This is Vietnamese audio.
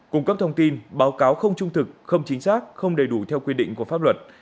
cung cấp thông tin báo cáo không trung thực không chính xác không đầy đủ theo quy định của pháp luật